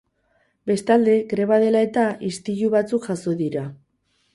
Bestalde, greba dela-eta istilu batzuk jazo dira.